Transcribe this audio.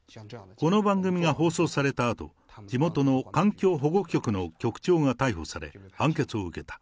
この番組が放送されたあと、地元の環境保護局の局長が逮捕され、判決を受けた。